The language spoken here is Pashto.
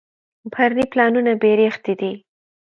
بهرني پلانونه بېریښې دي.